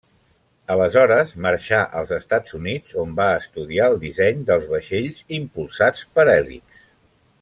Aleshores marxà als Estats Units, on va estudiar el disseny dels vaixells impulsats per hèlix.